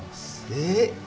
えっ？